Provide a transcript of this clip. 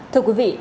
thưa quý vị